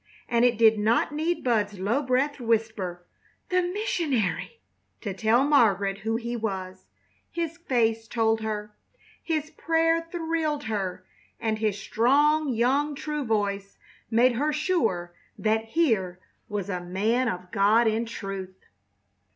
And it did not need Bud's low breathed whisper, "The missionary!" to tell Margaret who he was. His face told her. His prayer thrilled her, and his strong, young, true voice made her sure that here was a man of God in truth.